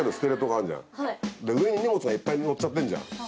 で上に荷物がいっぱいに載っちゃってんじゃん。